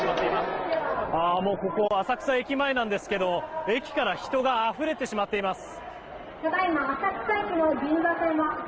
浅草駅前なんですけど駅から人があふれてしまっています。